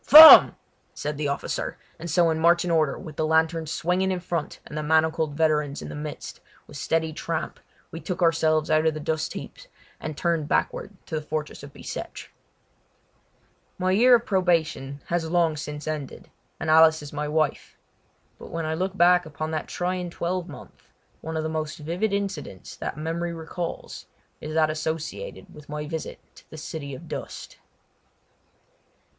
"Form!" said the officer, and so in marching order, with the lanterns swinging in front and the manacled veterans in the midst, with steady tramp we took ourselves out of the dustheaps and turned backward to the fortress of Bicêtre. My year of probation has long since ended, and Alice is my wife. But when I look back upon that trying twelvemonth one of the most vivid incidents that memory recalls is that associated with my visit to the City of Dust.